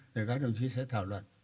thì các đồng chí sẽ thảo luận